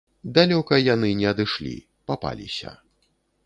Далёка яны не адышлі, папаліся.